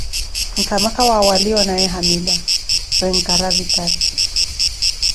Nkama kawa waliye onaye hamila, wencaravitari